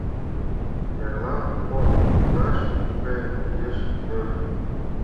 Эрлан под пундаш гай лиеш дыр.